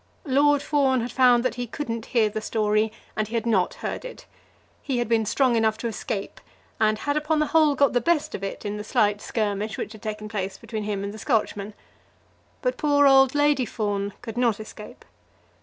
Lord Fawn had found that he couldn't hear the story, and he had not heard it. He had been strong enough to escape, and had, upon the whole, got the best of it in the slight skirmish which had taken place between him and the Scotchman; but poor old Lady Fawn could not escape.